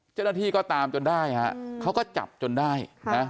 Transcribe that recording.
เจ้าหน้าที่ก็ตามจนได้ฮะเขาก็จับจนได้นะ